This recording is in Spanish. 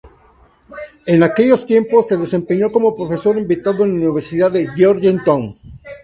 En aquellos tiempos, se desempeñó como profesor invitado en la Universidad de Georgetown.